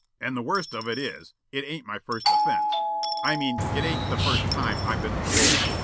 And the worst of it is, it ain't my first offense. I mean it ain't the first time I've been paroled.